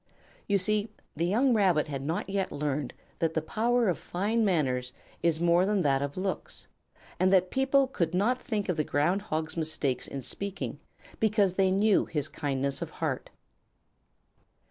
You see the young Rabbit had not yet learned that the power of fine manners is more than that of looks; and that people could not think of the Ground Hog's mistakes in speaking because they knew his kindness of heart.